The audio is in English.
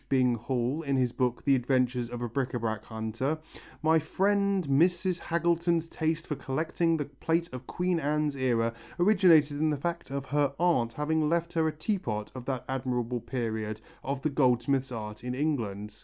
Bing Hall in his book The Adventures of a Bric à brac Hunter, "my friend Mrs. Haggleton's taste for collecting the plate of Queen Anne's era originated in the fact of her aunt having left her a teapot of that admirable period of the goldsmith's art in England.